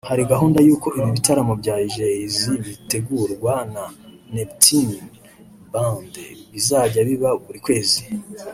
Hari gahunda y’uko ibi bitaramo bya Jazz bitegurwa na Neptunez Band bizajya biba buri kwezi